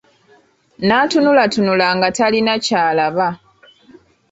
Naatunulatunula nga talina ky'alaba.